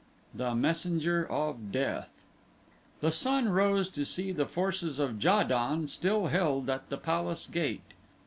24 The Messenger of Death The sun rose to see the forces of Ja don still held at the palace gate.